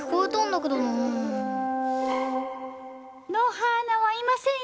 はーなはいませんよ。